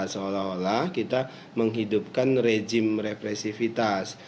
seolah olah kita menghidupkan rejim represifitas